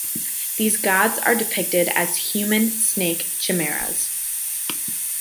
These gods are depicted as human-snake chimeras.